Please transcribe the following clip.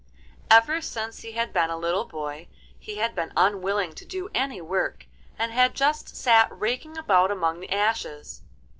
Ever since he had been a little boy he had been unwilling to do any work, and had just sat raking about among the ashes.